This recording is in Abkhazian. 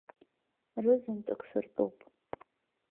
Рызынтәык сыртәуп.